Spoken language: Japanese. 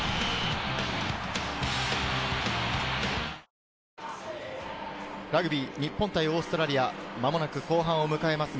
東芝ラグビー日本対オーストラリア、間もなく後半を迎えます。